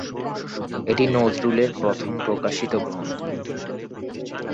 এটি নজরুলের প্রথম প্রকাশিত গ্রন্থ।